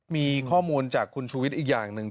มีข้อมูลจากคุณชูวิทย์อีกอย่างหนึ่ง